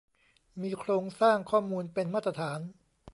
มีโครงสร้างข้อมูลเป็นมาตรฐาน